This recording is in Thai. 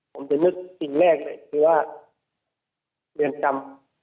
ผมจะนึกสิ่งแรกหนึ่งคือว่าเรียนกรรม